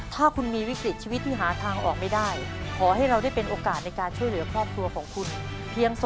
ถ้าคุณมีวิกฤตชีวิตที่หาทางออกไม่ได้ขอให้เราได้เป็นโอกาสในการช่วยเหลือครอบครัวของคุณเพียง